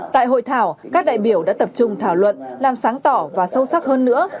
tại hội thảo các đại biểu đã tập trung thảo luận làm sáng tỏ và sâu sắc hơn nữa